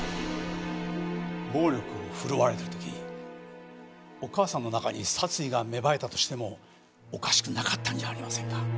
暴力を振るわれている時お母さんの中に殺意が芽生えたとしてもおかしくなかったんじゃありませんか？